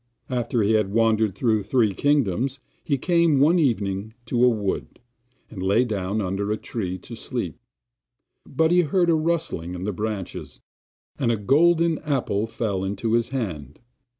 After he had wandered through three kingdoms, he came one evening to a wood, and lay down under a tree to sleep. But he heard a rustling in the branches, and a golden apple fell into his hand.